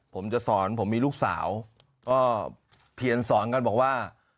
ผมจะสอนผมมีลูกสาวก็เพียนสอนกันบอกว่า